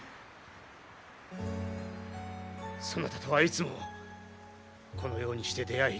そなたとはいつもこのようにして出会い